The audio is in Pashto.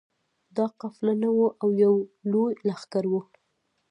دا قافله نه وه او یو لوی لښکر وو.